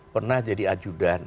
pernah jadi ajudan